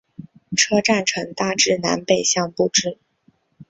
车站呈大致南北向布置。